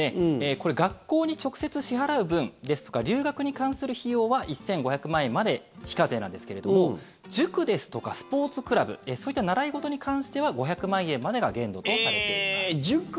これ学校に直接支払う分ですとか留学に関する費用は１５００万円まで非課税なんですけれども塾ですとかスポーツクラブそういった習い事に関しては５００万円までが限度とされています。